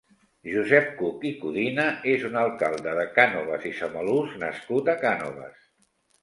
Josep Cuch i Codina és un alcalde de Cànoves i Samalús nascut a Cànoves.